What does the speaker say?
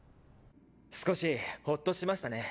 少しホッとしましたね。